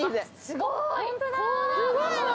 すごーい。